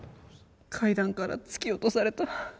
階段から突き落とされた。